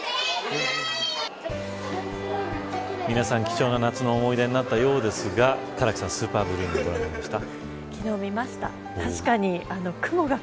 皆さん、貴重な夏の思い出になったようですが、唐木さんスーパーブルームーンご覧になりましたか。